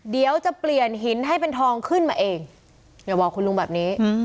เดี๋ยวจะเปลี่ยนหินให้เป็นทองขึ้นมาเองเนี่ยบอกคุณลุงแบบนี้